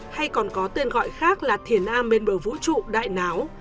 hay còn có tên gọi khác là thiền a bên bờ vũ trụ đại náo